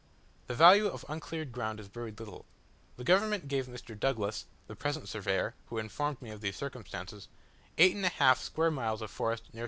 The value of uncleared ground is very little. The government gave Mr. Douglas (the present surveyor, who informed me of these circumstances) eight and a half square miles of forest near S.